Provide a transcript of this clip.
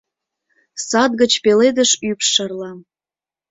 Сад гыч пеледыш ӱпш шарла.